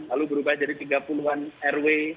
lalu berubah jadi tiga puluh an rw